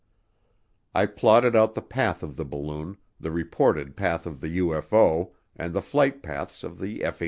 I plotted out the path of the balloon, the reported path of the UFO, and the flight paths of the F 86's.